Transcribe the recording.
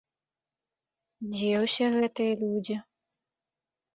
Дзе ўсе гэтыя людзі?